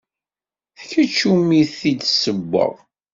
D kečč umi t-id-ssewweɣ.